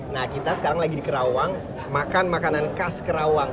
nah kita sekarang lagi di kerawang makan makanan khas kerawang